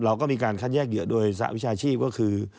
เราก็มีการคัดแยกเหยื่อโดยสหวิชาชีพก็คือ